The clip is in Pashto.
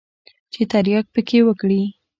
چې ترياک پکښې وکري.